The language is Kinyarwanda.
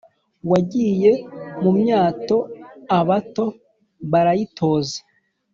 wagiye mu myato abato barayitoza